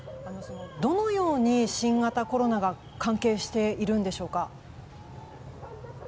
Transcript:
どのように新型コロナが関係しているんでしょうか。